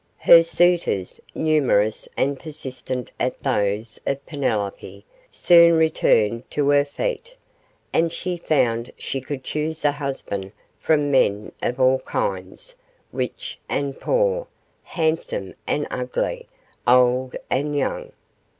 Her suitors numerous and persistent as those of Penelope soon returned to her feet, and she found she could choose a husband from men of all kinds rich and poor, handsome and ugly, old and young.